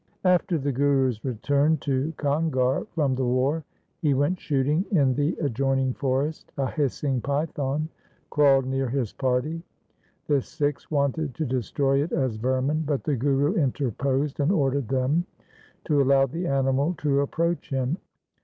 After the Guru's return to Kangar from the war, he went shooting in the adjoining forest. A hissing python crawled near his party. The Sikhs wanted to destroy it as vermin, but the Guru interposed and ordered them to allow the animal to approach him.